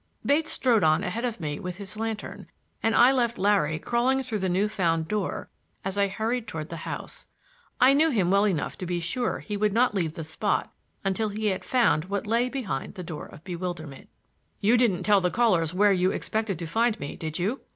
Bates strode on ahead of me with his lantern, and I left Larry crawling through the new found door as I hurried toward the house. I knew him well enough to be sure he would not leave the spot until he had found what lay behind the Door of Bewilderment. "You didn't tell the callers where you expected to find me, did you?"